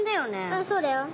うんそうだよ。